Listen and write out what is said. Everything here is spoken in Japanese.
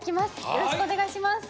よろしくお願いします